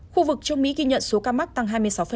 khu vực châu mỹ ghi nhận số ca mắc tăng hai mươi sáu